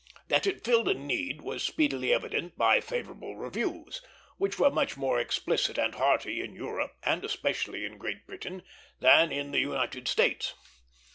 That it filled a need was speedily evident by favorable reviews, which were much more explicit and hearty in Europe, and especially in Great Britain, than in the United States.